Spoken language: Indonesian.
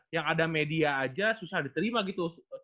yang ada media aja susah diterima gitu